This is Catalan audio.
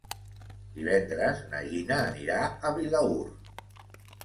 Divendres na Gina anirà a Vilaür.